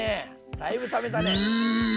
だいぶためたね。